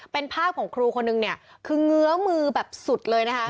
เป็นภาพของครูคนนึงเนี่ยคือเงื้อมือแบบสุดเลยนะคะ